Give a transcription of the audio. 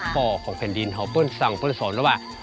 ปอของแผ่นดินเขาเบิ้ลสั่งเบิ้ลส่วนทุวะ